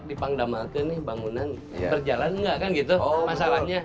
di pangdamalke nih bangunan berjalan gak kan gitu masalahnya